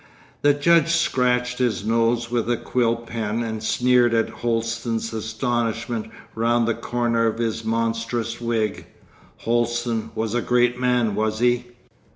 The judge scratched his nose with a quill pen, and sneered at Holsten's astonishment round the corner of his monstrous wig. Holsten was a great man, was he?